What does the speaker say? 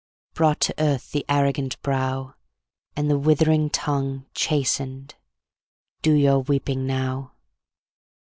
Brought to earth the arrogant brow, And the withering tongue Chastened; do your weeping now.